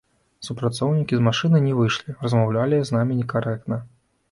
Супрацоўнікі з машыны не выйшлі, размаўлялі з намі некарэктна.